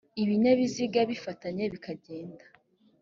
ibinyabiziga bifatanye bikagenda